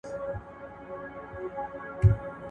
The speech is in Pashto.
ماشوم به څرنګه سړه شپه تر سهاره یوسی `